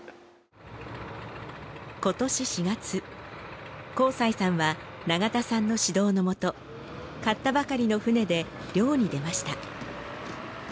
今年４月幸才さんは長田さんの指導のもと買ったばかりの船で漁に出ました。